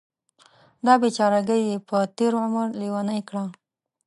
دا بیچارګۍ یې په تېر عمر لیونۍ کړه.